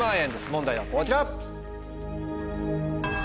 問題はこちら！